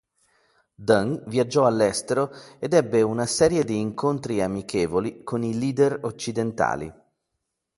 Deng viaggiò all'estero ed ebbe una serie di incontri amichevoli con i "leader" occidentali.